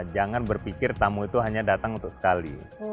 jangan berpikir tamu itu hanya datang untuk sekali